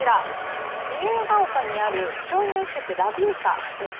自由が丘にある商業施設ラ・ヴィータです。